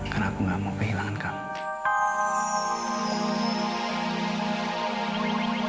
karena aku nggak mau kehilangan kamu